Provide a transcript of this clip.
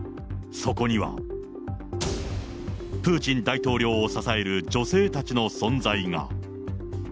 そこには、プーチン大統領を支える女性たちの存在が。